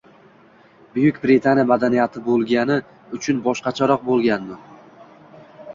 Buyuk Britaniya madaniyati boʻlgani uchun boshqacharoq boʻlganmi?